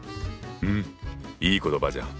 うんいい言葉じゃん。